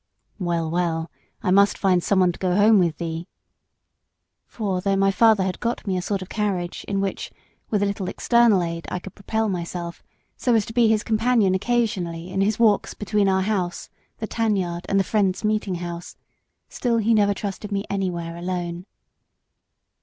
"Well, well, I must find some one to go home with thee." For though my father had got me a sort of carriage in which, with a little external aid, I could propel myself, so as to be his companion occasionally in his walks between our house, the tanyard, and the Friends' meeting house still he never trusted me anywhere alone.